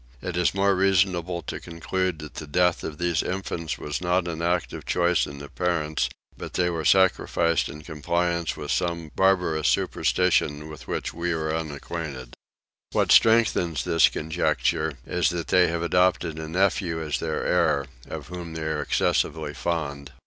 It is more reasonable to conclude that the death of these infants was not an act of choice in the parents; but that they were sacrificed in compliance with some barbarous superstition with which we are unacquainted. What strengthens this conjecture is that they have adopted a nephew as their heir, of whom they are excessively fond.